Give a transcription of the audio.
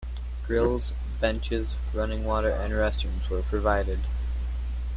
Grills, benches, running water and restrooms were provided.